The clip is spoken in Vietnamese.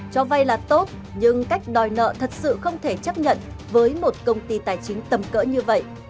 cho vay là tốt nhưng cách đòi nợ thật sự không thể chấp nhận với một công ty tài chính tầm cỡ như vậy